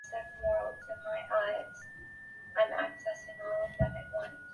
狄翁与其手下透过用来走私私酒的地下隧道伏击马索的人马。